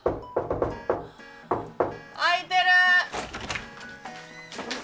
開いてる！